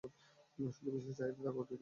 শুধু বিশেষ চাহিদা থাকা অতিথি।